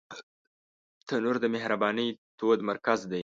تنور د مهربانۍ تود مرکز دی